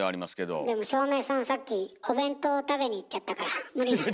でも照明さんさっきお弁当食べに行っちゃったから無理なのよ。